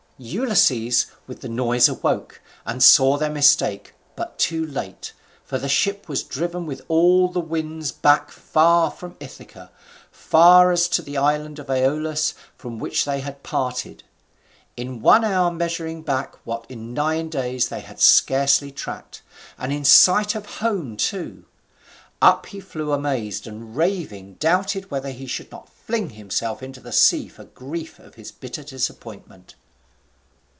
] Ulysses with the noise awoke, and saw their mistake, but too late, for the ship was driving with all the winds back far from Ithaca, far as to the island of Aeolus from which they had parted, in one hour measuring back what in nine days they had scarcely tracked, and in sight of home too! Up he flew amazed, and, raving, doubted whether he should not fling himself into the sea for grief of his bitter disappointment.